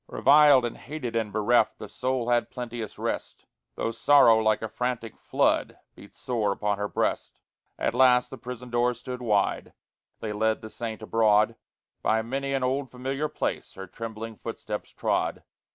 Reviled and hated and bereft, The soul had plenteous rest, Though sorrow like a frantic flood Beat sore upon her breast. At last the prison door stood wide, They led the saint abroad; By many an old familiar place Her trembling footsteps trod.